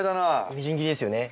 みじん切りですよね。